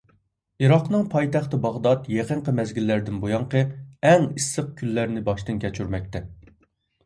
ئىراقنىڭ پايتەختى باغدات يېقىنقى مەزگىللەردىن بۇيانقى ئەڭ ئىسسىق كۈنلەرنى باشتىن كەچۈرمەكتە.